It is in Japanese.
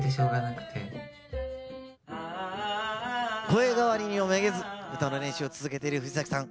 声変わりにもめげず歌の練習を続けている藤崎さん。